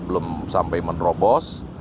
belum sampai menerobos